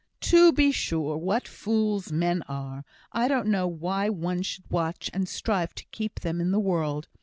"To be sure, what fools men are! I don't know why one should watch and strive to keep them in the world.